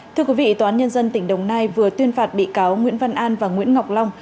thưa quý vị tòa án nhân dân tỉnh đồng nai vừa tuyên phạt bị cáo nguyễn văn an và nguyễn ngọc long